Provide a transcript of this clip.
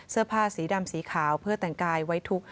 เสื้อผ้าสีดำสีขาวเพื่อแต่งกายไว้ทุกข